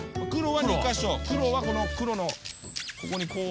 黒はこの黒のここにこう。